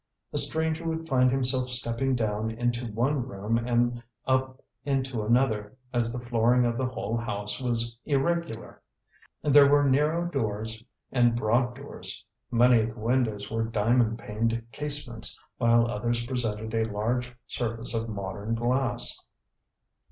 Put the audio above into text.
A stranger would find himself stepping down into one room and up into another, as the flooring of the whole house was irregular. There were narrow doors and broad doors: many of the windows were diamond paned casements, while others presented a large surface of modern glass.